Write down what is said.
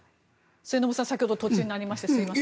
末延さん、先ほど途中になりましてすみません。